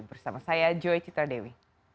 bersama saya joy citradewi